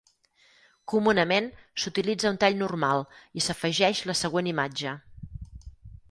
Comunament s'utilitza un tall normal i s'afegeix la següent imatge.